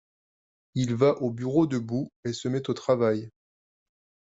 Il va au bureau debout et se met au travail.